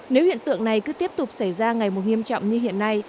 nếu hiện tượng này cứ tiếp tục xảy ra ngày một nghiêm trọng như hiện nay